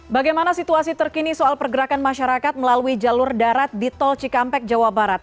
bagaimana situasi terkini soal pergerakan masyarakat melalui jalur darat di tol cikampek jawa barat